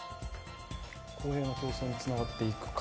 これが競争につながっていくか。